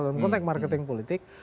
dan konteks marketing politik